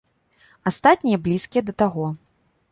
Астатнія блізкія да таго.